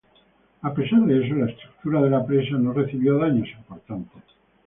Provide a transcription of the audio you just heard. A pesar de eso, la estructura de la presa no recibió daños importantes.